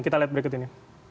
kita lihat berikut ini